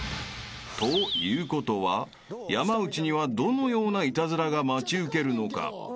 ［ということは山内にはどのようなイタズラが待ち受けるのか］